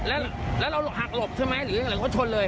แล้วเราหักหลบใช่ไหมหรืออะไรก็ชนเลย